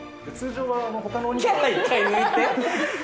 通常はほかのお肉。